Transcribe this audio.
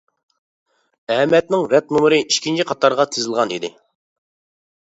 ئەمەتنىڭ رەت نومۇرى ئىككىنچى قاتارغا تىزىلغان ئىدى.